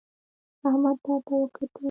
احمد تا ته وکتل